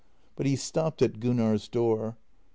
But he stopped at Gunnar's door.